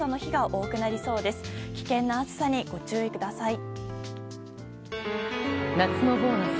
引き続き危険な暑さにご注意ください。